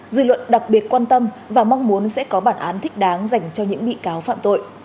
dư luận đặc biệt quan tâm và mong muốn sẽ có bản án thích đáng dành cho những bị cáo phạm tội